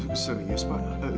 wah serius pak